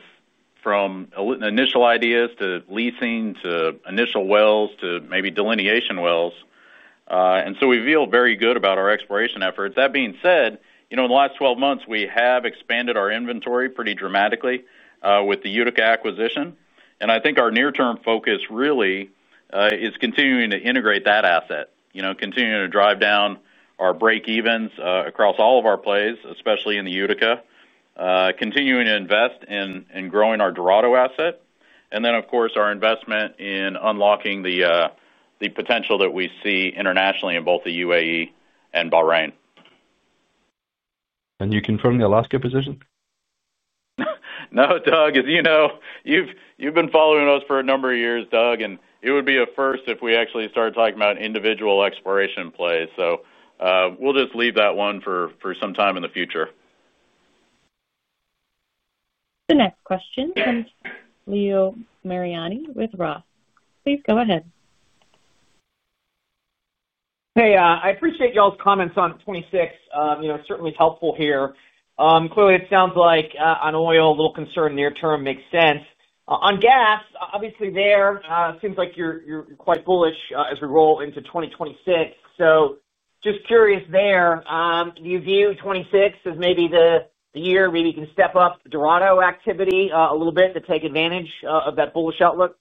from initial ideas to leasing to initial wells to maybe delineation wells. We feel very good about our exploration efforts. That being said, you know, in the last 12 months we have expanded our inventory pretty dramatically with the Utica acquisition and I think our near term focus really is continuing to integrate that asset, continuing to drive down our breakevens across all of our plays, especially in the Utica, continuing to invest in growing our Dorado asset and then of course our investment in unlocking the potential that we see internationally in both the UAE and Bahrain.
Can you confirm the Alaska position?
No, Doug. As you know, you've been following us for a number of years, Doug, and it would be a first if we actually started talking about individual exploration plays. So we'll just leave that one for some time in the future.
The next question comes Leo Mariani with ROTH, please go ahead.
Hey, I appreciate y'all's comments on 2026. You know, certainly helpful here. Clearly it sounds like on oil a little concern near term makes sense. On gas obviously there seems like you're quite bullish as we roll into 2026. Just curious there, do you view 2026 as maybe the year maybe you can step up Dorado activity a little bit to take advantage of that bullish outlook?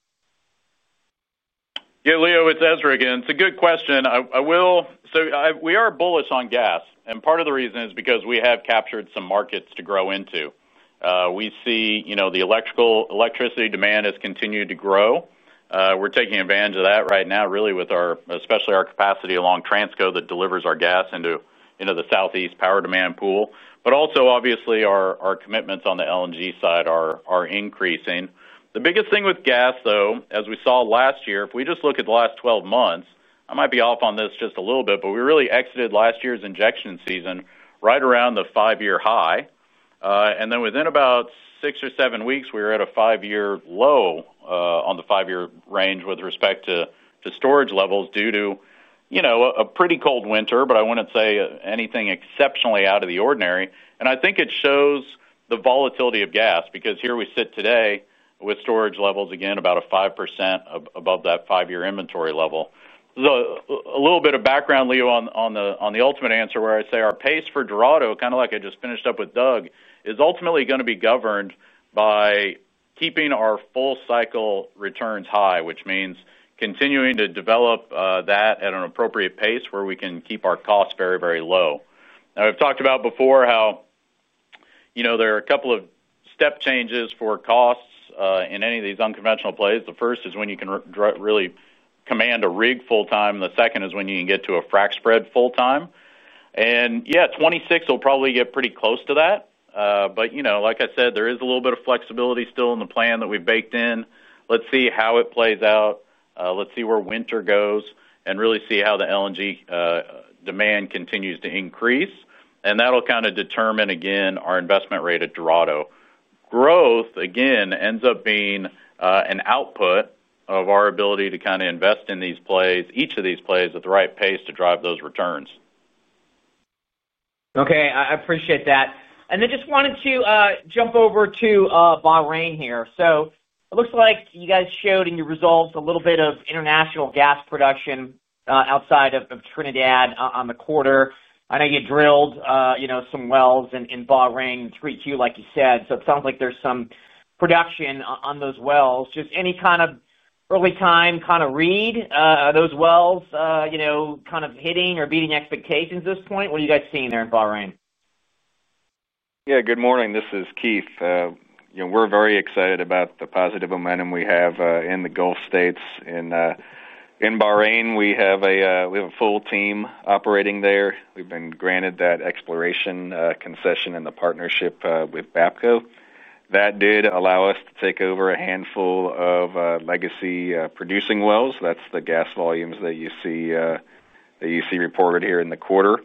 Yes. Leo, it's Ezra again. It's a good question. I will. So we are bullish on gas. And part of the reason is because we have captured some markets to grow into. We see, you know, the electricity demand has continued to grow. We're taking advantage of that right now, really with our especially our capacity along Transco that delivers our gas into the Southeast power demand pool. But also obviously our commitments on the LNG side are increasing. The biggest thing with gas though, as we saw last year, if we just look at the last 12 months, I might be off on this just a little bit, but we really exited last year's injection season right around the five-year high. Within about six or seven weeks we were at a five-year low on the five-year range with respect to storage levels due to, you know, a pretty cold winter. I would not say anything exceptionally out of the ordinary and I think it shows the volatility of gas because here we sit today with storage levels again about 5% above that five-year inventory level. A little bit of background, Leo, on the ultimate answer, where I say our pace for Dorado, kind of like I just finished up with Doug, is ultimately going to be governed by keeping our full cycle returns high, which means continuing to develop that at an appropriate pace where we can keep our costs very, very low. Now, we have talked about before how there are a couple of step changes for costs in any of these unconventional plays. The first is when you can really command a rig full time. The second is when you can get to a frac spread full time. Yeah, 26 will probably get pretty close to that. Like I said, there is a little bit of flexibility still in the plan that we've baked in. Let's see how it plays out. Let's see where winter goes and really see how the LNG demand continues to increase. That will kind of determine again, our investment rate at Dorado. Growth again ends up being an output of our ability to kind of invest in these plays, each of these plays at the right pace to drive those returns.
Okay, I appreciate that. I just wanted to jump over to Bahrain here. It looks like you guys showed in your results a little bit of international gas production outside of Trinidad on the quarter. I know you drilled some wells in Bahrain 3Q like you said. It sounds like there's some production on those wells. Just any kind of early time, kind of read those wells kind of hitting or beating expectations at this point. What are you guys seeing there in Bahrain?
Yeah, good morning, this is Keith.We're very excited about the positive momentum we have in the Gulf States in Bahrain, we have a full team operating there. We've been granted that exploration concession and the partnership with BAPCO that did allow us to take over a handful of legacy producing wells. That's the gas volumes that you see reported here in the quarter.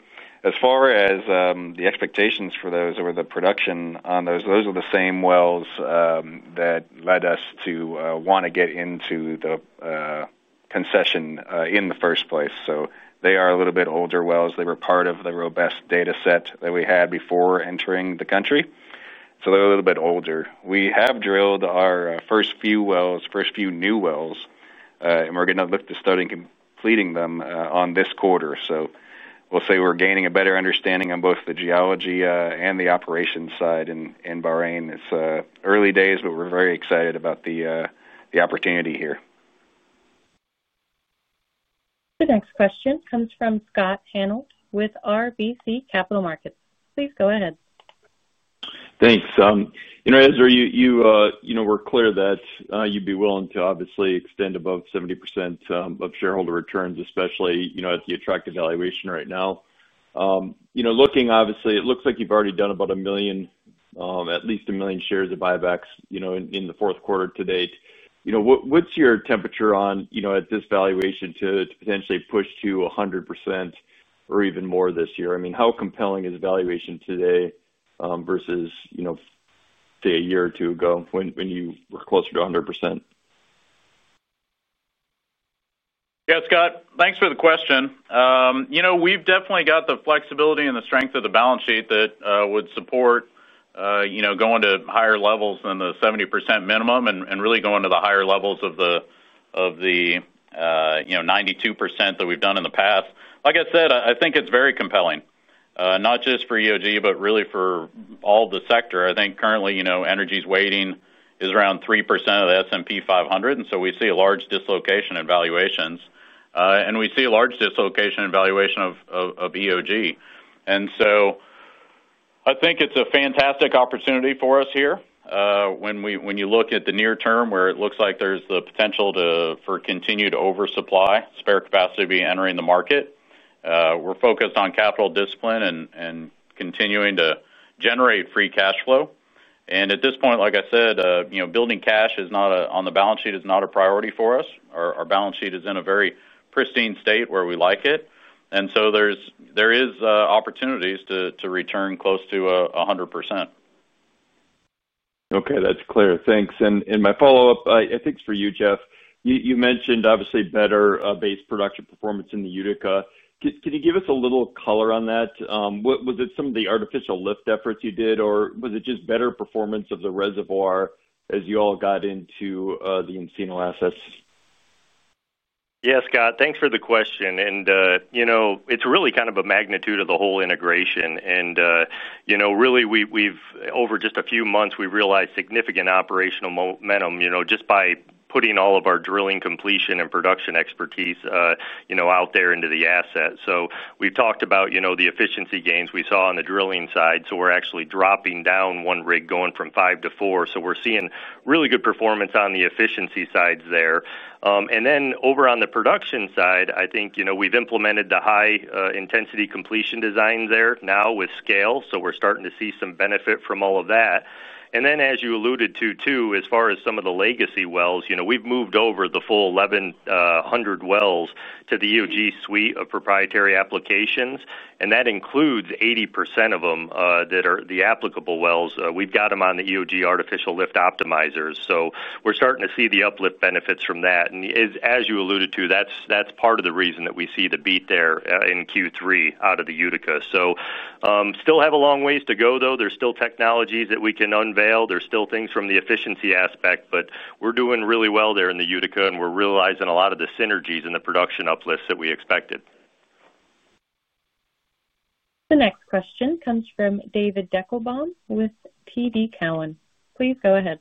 As far as the expectations for those or the production on those, those are the same wells that led us to want to get into the concession in the first place. They are a little bit older wells. They were part of the robust data set that we had before entering the country. They are a little bit older. We have drilled our first few wells, first few new wells, and we're going to look to starting completing them on this quarter. We'll say we're gaining a better understanding on both the geology and the operations side. In Bahrain, it's early days, but we're very excited about the opportunity here.
The next question comes from Scott Hanold with RBC Capital Markets. Please go ahead.
Thanks. You know, Ezra, you know, we're clear that you'd be willing to obviously extend above 70% of shareholder returns, especially, you know, at the attractive valuation right now, you know, looking obviously it looks like you've already done about a million, at least a million shares of buybacks, you know, in the fourth quarter to date. You know, what's your temperature on, you know, at this valuation to potentially push to 100% or even more this year? I mean, how compelling is valuation today versus, you know, say a year or two ago when you were closer to 100%?
Yes, Scott, thanks for the question. You know, we've definitely got the flexibility and the strength of the balance sheet that would support, you know, going to higher levels than the 70% minimum and really going to the higher levels of the, you know, 92% that we've done in the past. Like I said, I think it's very compelling, not just for EOG, but really for all the sector. I think currently, you know, energy's weighting is around 3% of the S&P 500. We see a large dislocation in valuations and we see a large dislocation in valuation of EOG. I think it's a fantastic opportunity for us here. When you look at the near term where it looks like there's the potential for continued oversupply, spare capacity be entering the market. We're focused on capital discipline and continuing to generate free cash flow. At this point, like I said, building cash is not on the balance sheet, is not a priority for us. Our balance sheet is in a very pristine state where we like it. There is opportunities to return close to 100%. Okay, that's clear. Thanks. My follow up, I think for you, Jeff, you mentioned obviously better base production performance in the Utica. Can you give us a little color on that? Was it some of the artificial lift efforts you did or was it just better performance of the reservoir as you all got into the Encino assets?
Yes, Scott, thanks for the question. You know, it's really kind of a magnitude of the whole integration and, you know, really we've, over just a few months, realized significant operational momentum, you know, just by putting all of our drilling, completion, and production expertise, you know, out there into the asset. We've talked about, you know, the efficiency gains we saw on the drilling side. We're actually dropping down one rig, going from five to four. We're seeing really good performance on the efficiency sides there. Then over on the production side, I think, you know, we've implemented the high intensity completion design there now with scale. We're starting to see some benefit from all of that. As you alluded to too, as far as some of the legacy wells, you know, we've moved over the full 1,100 wells to the EOG suite of proprietary applications and that includes 80% of them that are the applicable wells. We've got them on the EOG artificial lift optimizers. We are starting to see th6 m ntvvvv5 e uplift benefits from that. As you alluded to, that is part of the reason that we see the beat there in Q3 out of the Utica. We still have a long ways to go though. There are still technologies that we can unveil, there are still things from the efficiency aspect. We are doing really well there in the Utica and we are realizing a lot of the synergies in the production uplifts that we expected.
The next question comes from David Deckelbaum with TD Cowen. Please go ahead.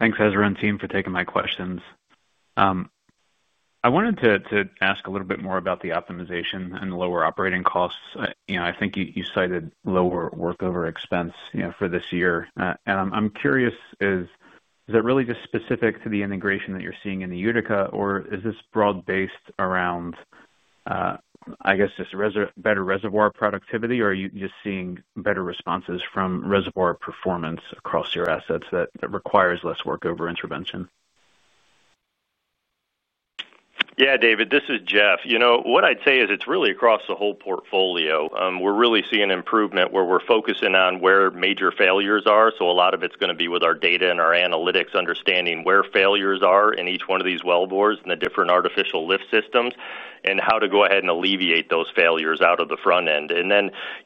Thanks Ezra and team for taking my questions. I wanted to ask a little bit more about the optimization and lower operating costs. I think you cited lower workover expense for this year. I'm curious, is that really just specific to the integration that you're seeing in the Utica or is this broad based around, I guess, just better reservoir productivity or are you just seeing better responses from reservoir performance across your assets that requires less workover intervention?
Yeah, David, this is Jeff. You know what I'd say is it's really across the whole portfolio, we're really seeing improvement where we're focusing on where major failures are. A lot of it's going to be with our data and our analytics, understanding where failures are in each one of these wellbores and the different artificial lift systems and how to go ahead and alleviate those failures out of the front end.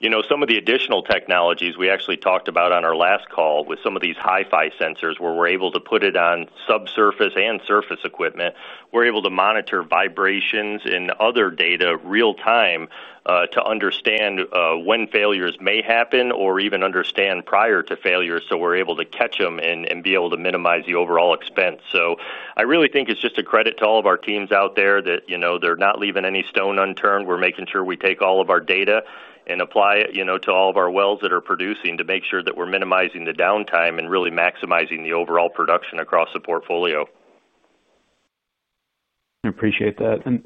You know, some of the additional technologies we actually talked about on our last call with some of these hi fi sensors where we're able to put it on subsurface and surface equipment, we're able to monitor vibrations and other data real time to understand when failures may happen or even understand prior to failure. We're able to catch them and be able to minimize the overall expense. I really think it's just a credit to all of our teams out there that, you know, they're not leaving any stone unturned. We're making sure we take all of our data and apply it, you know, to all of our wells that are producing to make sure that we're minimizing the downtime and really maximizing the overall production across the portfolio.
I appreciate that.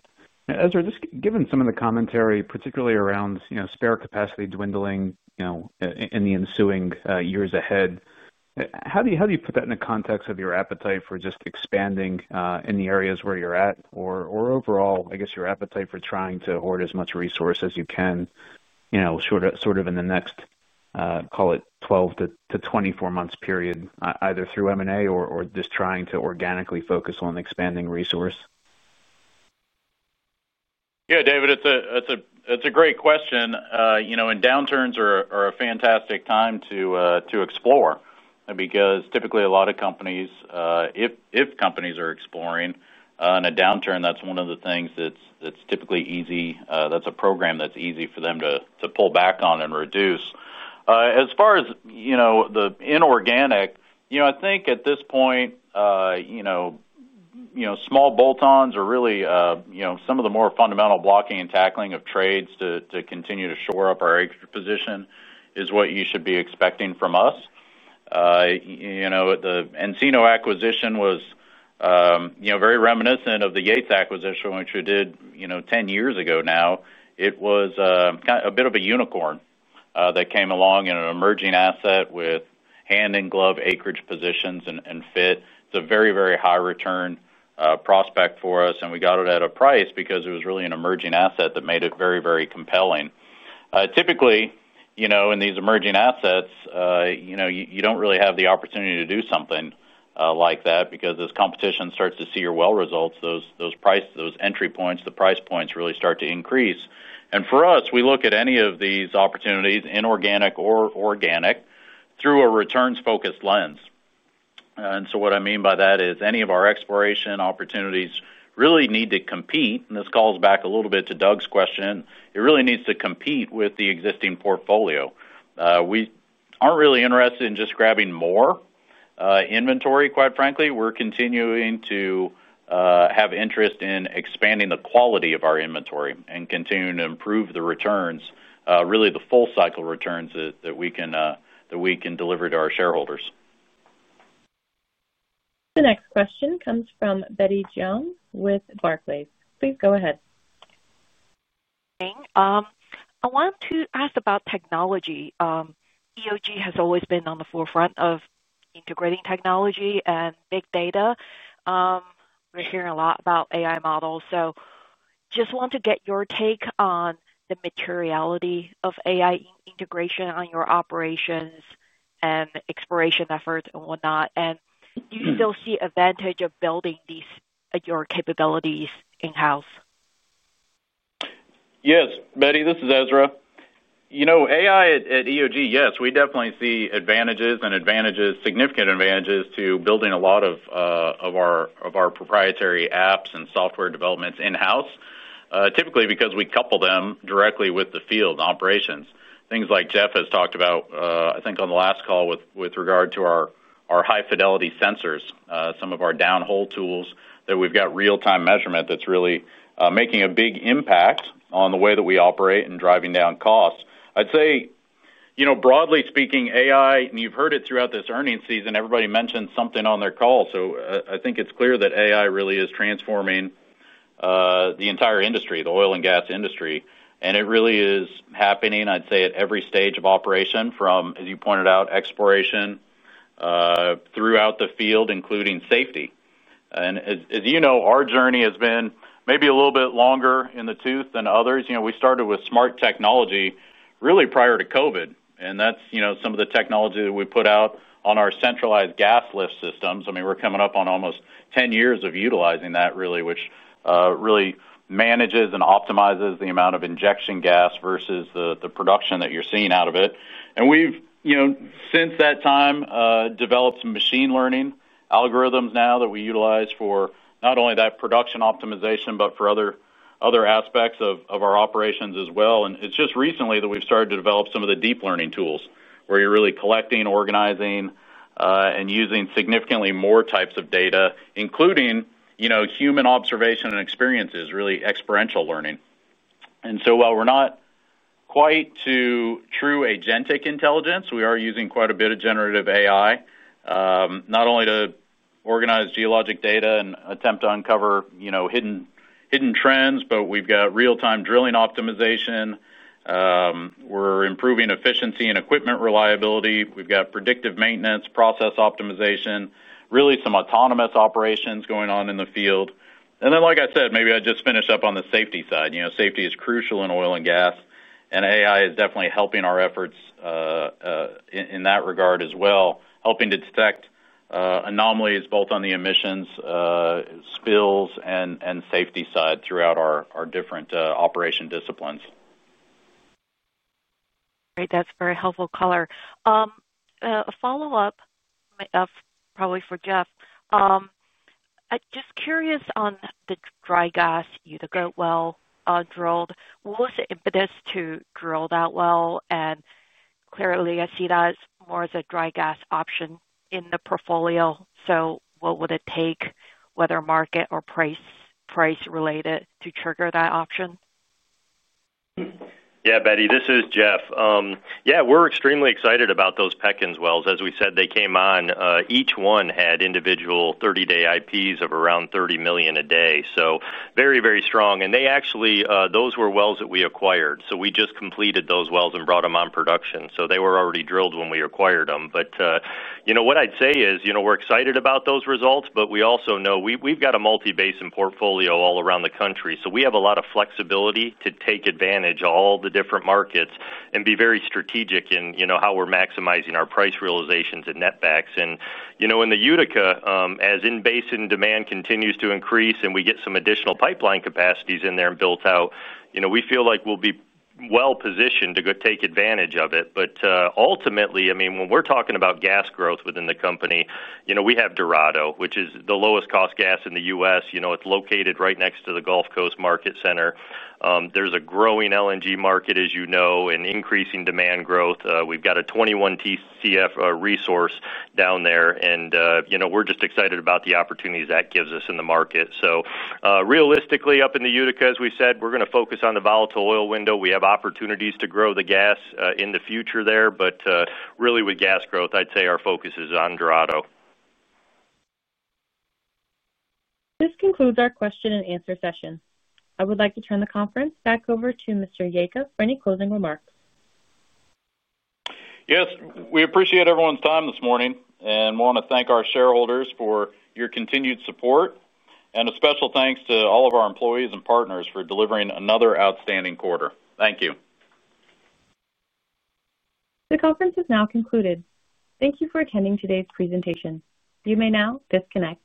Ezra, just given some of the commentary, particularly around, you know, spare capacity dwindling, you know, in the ensuing years ahead, how do you, how do you put that in the context of your appetite for just expanding in the areas where you're at or overall, I guess, your appetite for trying to hoard as much resource as you can, you know, sort of in the next, call it 12-24 months period, either through M and A or just trying to organically focus on expanding resource.
Yeah, David, it's a great question, you know, and downturns are a fantastic time to explore because typically a lot of companies, if companies are exploring in a downturn, that's one of the things that's typically easy. That's a program that's easy for them to pull back on and reduce. As far as, you know, the inorganic, you know, I think at this point, you know, small bolt ons or really, you know, some of the more fundamental blocking and tackling of trades to continue to shore up our acre position is what you should be expecting from us. You know, the Encino acquisition was, you know, very reminiscent of the Yates acquisition, which we did, you know, 10 years ago now. It was a bit of a unicorn that came along in an emerging asset with hand in glove acreage positions and fit. It's a very, very high return prospect for us and we got it at a price because it was really an emerging asset that made it very, very compelling. Typically, you know, in these emerging assets, you don't really have the opportunity to do something like that because as competition starts to see your well results, those price, those entry points, the price points really start to increase. For us, we look at any of these opportunities, inorganic or organic, through a returns-focused lens. What I mean by that is any of our exploration opportunities really need to compete. This calls back a little bit to Doug's question. It really needs to compete with the existing portfolio. We aren't really interested in just grabbing more inventory, quite frankly. We're continuing to have interest in expanding the quality of our inventory and continuing to improve the returns, really the full cycle returns that we can deliver to our shareholders.
The next question comes from Betty Jiang with Barclays. Please go ahead.
I want to ask about technology. EOG has always been on the forefront of integrating technology and big data. We're hearing a lot about AI models. Just want to get your take on the materiality of AI integration on your operations and exploration efforts and whatnot. Do you still see advantage of building your capabilities in house?
Yes. Betty, this is Ezra. You know, AI at EOG. Yes, we definitely see advantages, significant advantages to building a lot of our proprietary apps and software developments in house, typically because we couple them directly with the field operations, things like Jeff has talked about, I think on the last call with regard to our high fidelity sensors, some of our downhole tools that we have got real time measurement that is really making a big impact on the way that we operate and driving down costs. I would say broadly speaking, AI, and you have heard it throughout this earnings season, everybody mentioned something on their call. I think it is clear that AI really is transforming the entire industry, the oil and gas industry. It really is happening, I would say, at every stage of operation from, as you pointed out, exploration throughout the field, including safety. As you know, our journey has been maybe a little bit longer in the tooth than others. You know, we started with smart technology really prior to Covid, and that's, you know, some of the technology that we put out on our centralized gas lift systems. I mean, we're coming up on almost 10 years of utilizing that really, which really manages and optimizes the amount of injection gas versus the production that you're seeing out of it. We've, you know, since that time developed some machine learning algorithms. Now that we utilize for not only that production optimization, but for other aspects of our operations as well. It's just recently that we've started to develop some of the deep learning tools where you're really collecting, organizing, and using significantly more types of data, including human observation and experiences, really experiential learning. While we're not quite to true agentic intelligence, we are using quite a bit of generative AI not only to organize geologic data and attempt to uncover hidden trends, but we've got real time drilling optimization, we're improving efficiency and equipment reliability, we've got predictive maintenance process optimization, really some autonomous operations going on in the field. Like I said, maybe I'd just finish up on the safety side. You know, safety is crucial in oil and gas and AI is definitely helping our efforts in that regard as well, helping detect anomalies both on the emissions, spills and safety side throughout our different operation disciplines.
That's very helpful color. A follow up probably for Jeff. Just curious, on the dry gas, the good well drilled, what was the impetus to drill that well? I clearly see that more as a dry gas option in the portfolio. What would it take, whether market or price related, to trigger that option?
Yeah, Betty, this is Jeff. Yeah, we're extremely excited about those Peckins wells. As we said, they came on, each one had individual 30-day IPs of around 30 million a day. So very, very strong. And they actually those were wells that we acquired. We just completed those wells and brought them on production. They were already drilled when we acquired them. You know, what I'd say is we're excited about those results, but we also know we've got a multi-basin portfolio all around the country. We have a lot of flexibility to take advantage of all the different markets and be very strategic in how we're maximizing our price realizations and netbacks. In the Utica, as in basin, demand continues to increase and we get some additional pipeline capacities in there and built out, we feel like we'll be well positioned to take advantage of it. Ultimately, when we're talking about gas growth within the company, you know we have Dorado, which is the lowest cost gas in the U.S., you know, it's located right next to the Gulf Coast Market Center. There's a growing LNG market, as you know, and increasing demand growth. We've got a 21 TCF resource down there and, you know, we're just excited about the opportunities that gives us in the market. Realistically, up in the Utica, as we said, we're going to focus on the volatile oil window. We have opportunities to grow the gas in the future there, but really with gas growth, I'd say our focus is on Dorado.
This concludes our question and answer session. I would like to turn the conference back over to Mr. Yacob for any closing remarks.
Yes, we appreciate everyone's time this morning and want to thank our shareholders for your continued support. A special thanks to all of our employees and partners for delivering another outstanding quarter. Thank you.
The conference has now concluded. Thank you for attending today's presentation. You may now disconnect.